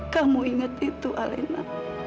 kamu ingat itu alenda